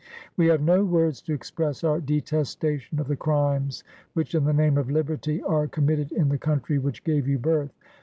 We have no words to express our detestation of the crimes which, in the name of Liberty, are com mitted in the country which gave you birth.